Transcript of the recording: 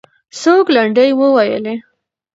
څوک لنډۍ وویلې؟